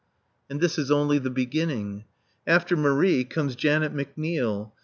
And this is only the beginning. After Marie comes Janet McNeil.